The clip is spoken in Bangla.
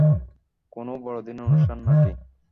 কোনো বড়দিনের অনুষ্ঠান না কি?